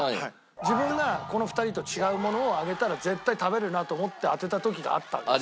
自分がこの２人と違うものを上げたら絶対食べられるなと思って当てた時があったんですよ。